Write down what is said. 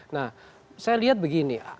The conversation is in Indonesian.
nah saya lihat begini